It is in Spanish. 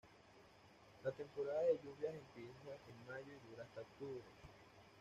La temporada de lluvias empieza en mayo y dura hasta octubre.